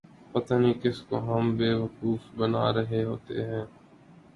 پتہ نہیں کس کو ہم بے وقوف بنا رہے ہوتے ہیں۔